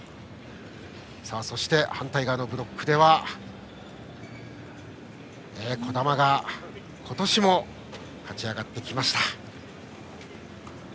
そして、反対側のブロックでは児玉が今年も勝ち上がりました。